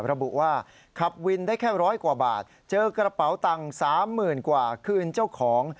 ระบุว่าขับวินได้แค่ร้อยกว่าบาทเจอกระเป๋าตังค์๓๐๐๐กว่าคืนเจ้าของ